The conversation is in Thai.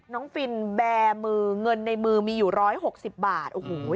น้องฟินแบร์มือเงินในมือมีอยู่ร้อยหกสิบบาท